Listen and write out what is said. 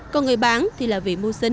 còn người bán thì là vì mua xinh